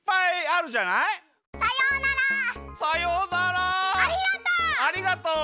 ありがとう！